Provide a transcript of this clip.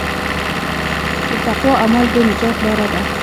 د تقوی عمل د نجات لاره ده.